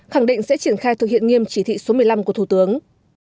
khẳng định sẽ triển khai thực hiện nghiêm chỉ thị số một mươi năm của thủ tướng